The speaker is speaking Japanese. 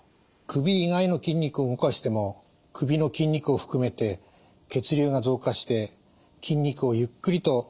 首以外の筋肉を動かしても首の筋肉を含めて血流が増加して筋肉をゆっくりと解きほぐすことができます。